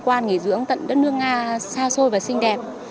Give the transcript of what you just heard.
quan nghỉ dưỡng tận đất nước nga xa xôi và xinh đẹp